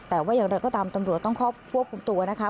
แต่ว่าอย่างไรก็ตามตำรวจต้องเข้าควบคุมตัวนะคะ